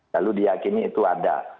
lalu diyakini itu ada